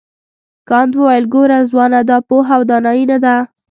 کانت وویل ګوره ځوانه دا پوهه او دانایي نه ده.